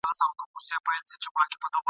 ژوند به جهاني پر ورکه لار درڅخه وړی وي !.